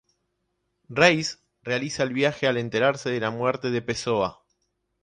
Reis realiza el viaje al enterarse de la muerte de Pessoa.